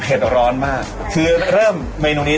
เมนูพวกขึ้นคุ้นหน้าคุ้นตา